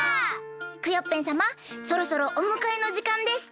クヨッペンさまそろそろおむかえのじかんです。